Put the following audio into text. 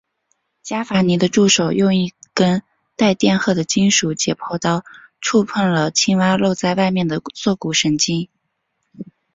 伽伐尼的助手用一根带电荷的金属解剖刀触碰了青蛙露在外面的坐骨神经。